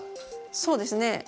そうですね。